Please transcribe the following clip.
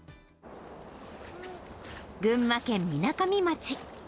群馬県みなかみ町。